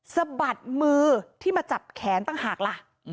สะบัดมือที่มาจับแขนต่างหากล่ะ